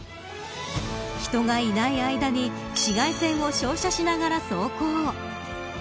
人がいない間に紫外線を照射しながら走行。